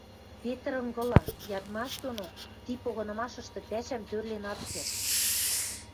Петр ынгыла, ядмаш доно ти погынымашышты пӓшӓм тӧрлен ат керд